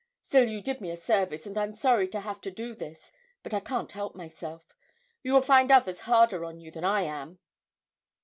Still you did me a service, and I'm sorry to have to do this, but I can't help myself. You will find others harder on you than I am!'